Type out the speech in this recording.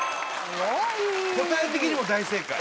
答え的にも大正解。